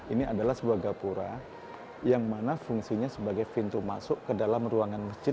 ini adalah sebuah gapura yang mana fungsinya sebagai pintu masuk ke dalam ruangan masjid